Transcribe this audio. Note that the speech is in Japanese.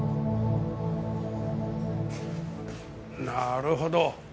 なるほど。